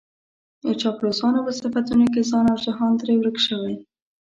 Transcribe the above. د چاپلوسانو په صفتونو کې ځان او جهان ترې ورک شوی.